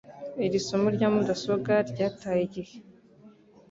Iri somo rya mudasobwa ryataye igihe.